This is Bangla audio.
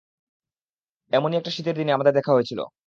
এমনই একটা শীতের দিনে আমাদের দেখা হয়েছিলো!